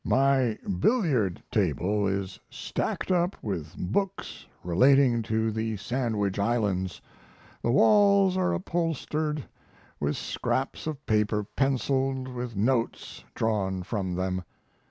My billiard table is stacked up with books relating to the Sandwich Islands; the walls are upholstered with scraps of paper penciled with notes drawn from them.